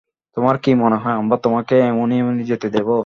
তোমার কী মনে হয় আমরা তোমাকে এমনি এমনিই যেতে দেব?